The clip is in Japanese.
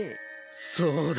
そうだ！